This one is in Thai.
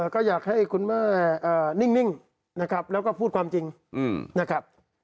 ก็อยากให้คุณแม่นิ่งนะครับแล้วก็พูดความจริงนะครับ